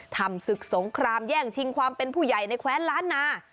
ทำศึกสงครามแย่งชิงความเป็นผู้ใหญ่ในแว้นล้านนา